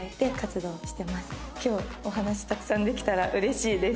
今日お話たくさんできたらうれしいです。